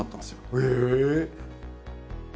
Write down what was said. へえ！